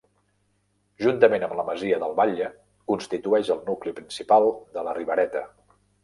Juntament amb la Masia del Batlle constitueix el nucli principal de la Ribereta.